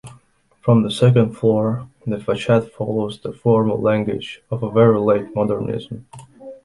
From the second floor, the façade follows the formal language of a very late modernism.